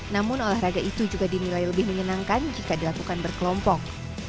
namun olahraga itu juga dinilai lebih menyenangkan jika dilakukan berkelompok